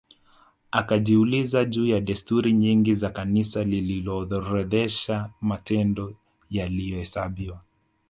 Akajiuliza juu ya desturi nyingi za Kanisa lililoorodhesha matendo yaliyohesabiwa